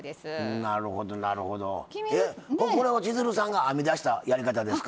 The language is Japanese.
これは、千鶴さんが編み出したやり方ですか？